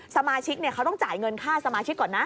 สมาชิกเขาต้องจ่ายเงินค่าสมาชิกก่อนนะ